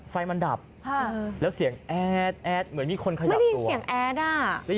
สวัสดีครับ